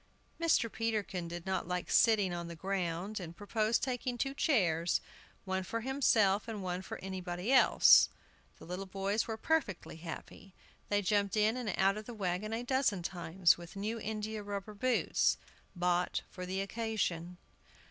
Mr. Peterkin did not like sitting on the ground, and proposed taking two chairs, one for himself and one for anybody else. The little boys were perfectly happy; they jumped in and out of the wagon a dozen times, with new india rubber boots, bought for the occasion.